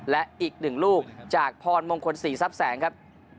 และอีก๑ลูกจากพรมงคล๔ทรัพย์แสงครับ